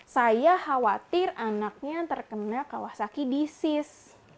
saya khawatir anaknya terkena kawasaki disis